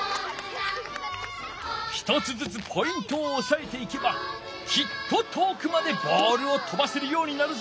１つずつポイントをおさえていけばきっと遠くまでボールを飛ばせるようになるぞ。